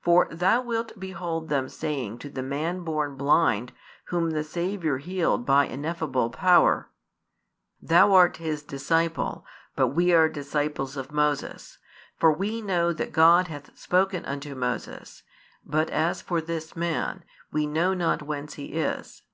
For thou wilt behold them saying to the man born blind whom the Saviour healed by ineffable power: Thou art His disciple, but we are disciples of Moses. For we know that God hath spoken unto Moses; but as for this Man, we know not whence He is.